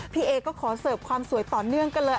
พี่เอก็ขอเสิร์ฟความสวยต่อเนื่องกันเลย